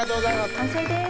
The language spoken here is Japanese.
完成です。